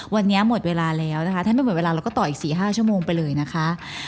วันนี้หมดเวลาแล้วนะคะท่านไม่หมดเวลาเราก็ต่ออีก๔๕ชั่วโมงไปเลยนะคะ